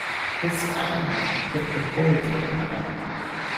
His kind had put the bullet in the man.